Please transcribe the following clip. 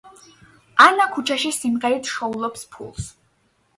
ანა ქუჩაში სიმღერით შოულობს ფულს.